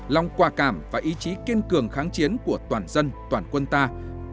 lòng quả cảm và ý chí của đảng ta đồng bào hùng cao và kiên trì khẩu hiệu trường kỳ giam khổ nhất định thắng lợi